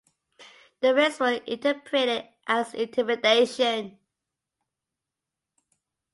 The raids were interpreted as intimidation.